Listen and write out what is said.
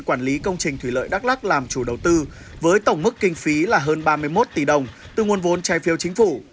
quản lý công trình thủy lợi đắk lắc làm chủ đầu tư với tổng mức kinh phí là hơn ba mươi một tỷ đồng từ nguồn vốn trai phiêu chính phủ